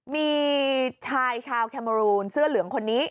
มีชายชาวแคโมรูนเสื้อเหลืองคนนี้